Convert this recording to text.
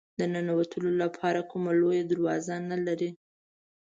د ننوتلو لپاره کومه لویه دروازه نه لري.